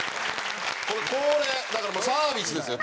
ここをねだからもうサービスですよ。